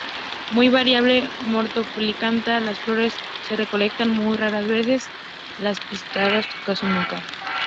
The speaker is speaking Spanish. Muy variable morfológicamente; las flores se recolectan muy raras veces, las pistiladas casi nunca.